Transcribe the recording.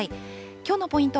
きょうのポイント